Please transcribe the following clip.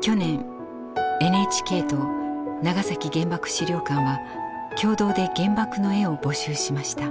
去年ＮＨＫと長崎原爆資料館は共同で原爆の絵を募集しました。